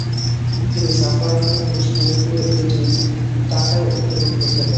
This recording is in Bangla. তিনি জাফর আহমদ উসমানীকে এটি ঢাকায় উত্তোলন করতে বলেন।